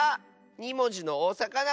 ２もじのおさかな